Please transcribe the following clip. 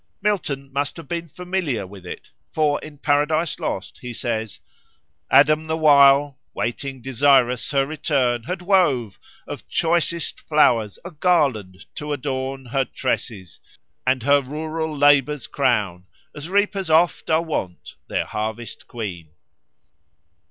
Milton must have been familiar with it, for in Paradise Lost he says: "Adam the while Waiting desirous her return, had wove Of choicest flow'rs a garland to adorn Her tresses, and her rural labours crown, As reapers oft are wont their harvest queen."